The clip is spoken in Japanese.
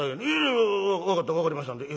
いや分かった分かりましたんで。